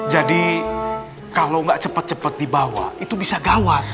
jadi kalau gak cepat cepat dibawa itu bisa gawat